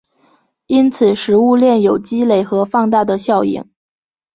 因此食物链有累积和放大的效应。